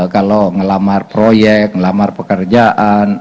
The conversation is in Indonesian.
kalau ngelamar proyek ngelamar pekerjaan